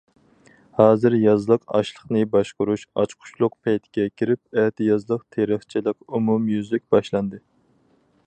ھازىر يازلىق ئاشلىقنى باشقۇرۇش ئاچقۇچلۇق پەيتكە كىرىپ، ئەتىيازلىق تېرىقچىلىق ئومۇميۈزلۈك باشلاندى.